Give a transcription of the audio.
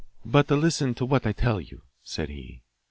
'But listen to what I tell you,' said he.